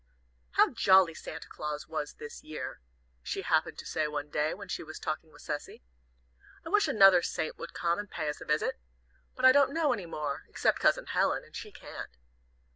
"How jolly Santa Claus was this year!" She happened to say one day, when she was talking with Cecy. "I wish another Saint would come and pay us a visit. But I don't know any more, except Cousin Helen, and she can't."